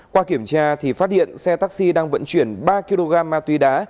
qua kiểm tra thì phát hiện xe taxi đang vận chuyển ba kg ma túy đá